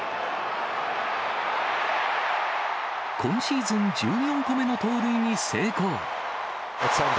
今シーズン１４個目の盗塁に成功。